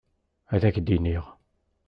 Ad k-d-iniɣ.